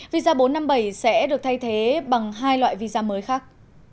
visa bốn trăm năm mươi bảy sẽ được thay thế bằng hai loại visa mới khác